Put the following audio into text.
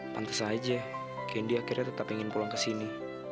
pantes aja candy akhirnya tetap ingin pulang ke sini